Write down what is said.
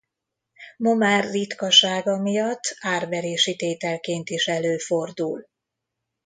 Ma már ritkasága miatt árverési tételként is előfordul.